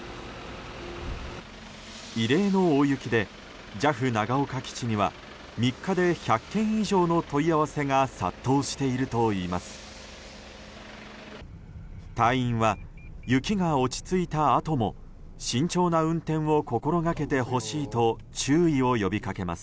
異例の大雪でＪＡＦ長岡基地には３日で１００件以上の問い合わせが殺到しているといいます。